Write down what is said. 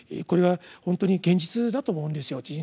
これはほんとに現実だと思うんですよ